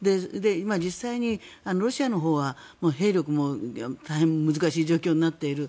実際にロシアのほうは兵力も大変難しい状況になっている。